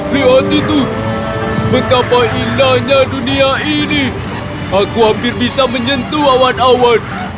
lihat itu betapa indahnya dunia ini aku hampir bisa menyentuh awan awan